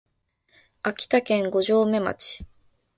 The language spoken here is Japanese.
秋田県五城目町